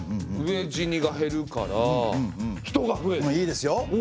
うえ死にが減るから人が増える？いいですよ。